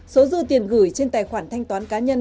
số dư tiền gửi trên tài khoản thanh toán cá nhân